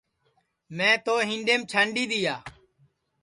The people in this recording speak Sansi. میں تو ہِنڈؔیم چھانڈِی دِؔیا